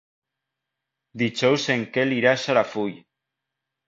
Dijous en Quel irà a Xarafull.